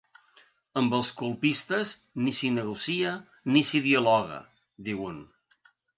Amb els colpistes, ni s’hi negocia ni s’hi dialoga, diu un.